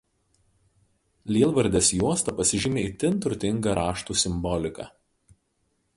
Lielvardės juosta pasižymi itin turtinga raštų simbolika.